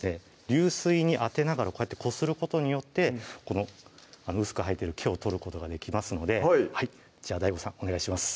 流水に当てながらこうやってこすることによってこの薄く生えてる毛を取ることができますのでじゃあＤＡＩＧＯさんお願いします